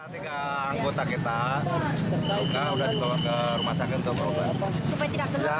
tiga anggota kita luka sudah dibawa ke rumah sakit untuk berobat